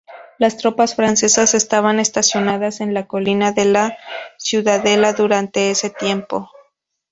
Las tropas francesas estaban estacionadas en la colina de la ciudadela durante ese tiempo.